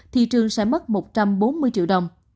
thị trường sẽ mất một trăm bốn mươi triệu đồng